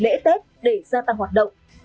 lễ tết để gia tăng hoạt động